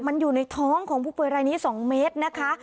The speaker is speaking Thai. มันอยู่ในท้องของผู้ป่วยรายนี้๒เมตรนะคะ